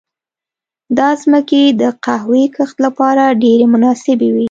دا ځمکې د قهوې کښت لپاره ډېرې مناسبې وې.